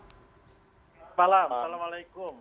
selamat malam assalamualaikum